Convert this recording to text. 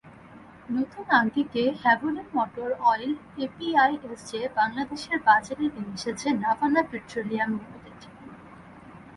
নতুন আঙ্গিকে Havoline motor oil API SJ বাংলাদেশের বাজারে নিয়ে এসেছে নাভানা পেট্রোলিয়াম লিমিটেড।